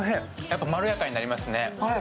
やっぱりまろやかになりますね。